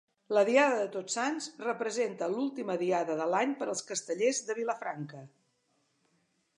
La diada de Tots Sants representa l'última diada de l'any per als Castellers de Vilafranca.